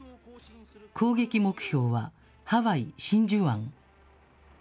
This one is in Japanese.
攻撃目標はハワイ・真珠湾。